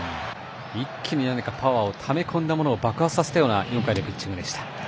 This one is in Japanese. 一気にパワーを何か、ためこんだものを爆発させたようなピッチングでした。